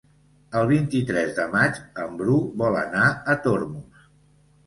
El vint-i-tres de maig en Bru vol anar a Tormos.